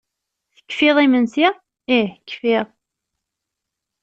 Tekfiḍ imensi? Ih kfiɣ!